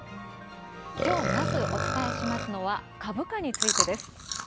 きょうまずお伝えしますのは株価についてです。